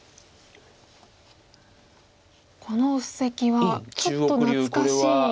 この布石はちょっと懐かしい。